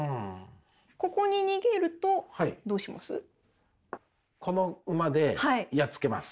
ここに逃げるとどうします？